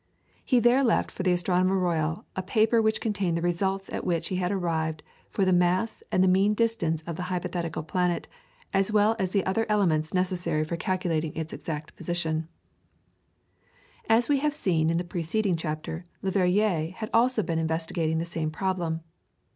He there left for the Astronomer Royal a paper which contained the results at which he had arrived for the mass and the mean distance of the hypothetical planet as well as the other elements necessary for calculating its exact position. [PLATE: JOHN COUCH ADAMS.] As we have seen in the preceding chapter, Le Verrier had been also investigating the same problem.